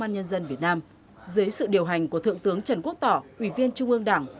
an nhân dân việt nam dưới sự điều hành của thượng tướng trần quốc tỏ ủy viên trung ương đảng